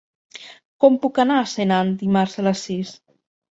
Com puc anar a Senan dimarts a les sis?